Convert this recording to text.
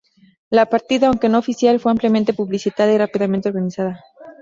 La partida, aunque no oficial, fue ampliamente publicitada y rápidamente organizada.